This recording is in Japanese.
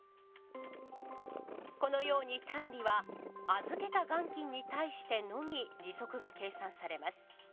このように単利は預けた元金に対してのみ利息が計算されます。